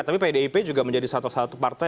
tapi pdip juga menjadi salah satu partai